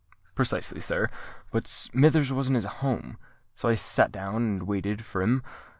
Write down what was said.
"Precisely, sir; but Smithers wasn't at home, and so I sate down and waited for him.